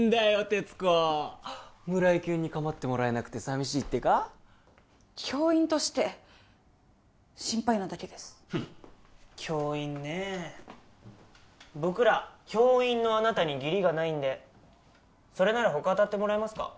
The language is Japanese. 鉄子村井きゅんに構ってもらえなくて寂しいってか教員として心配なだけですフン教員ねえ僕ら教員のあなたに義理がないんでそれなら他当たってもらえますか？